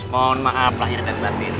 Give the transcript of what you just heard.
mohon maaf lahir dan batin